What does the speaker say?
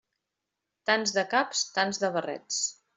Tants de caps, tants de barrets.